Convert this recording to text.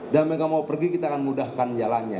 dan mereka mau pergi kita akan mudahkan jalannya